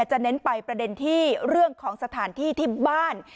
เน้นไปประเด็นที่เรื่องของสถานที่ที่บ้าน